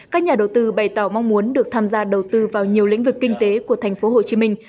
các nhà đầu tư bày tỏ mong muốn được tham gia đầu tư vào nhiều lĩnh vực kinh tế của thành phố hồ chí minh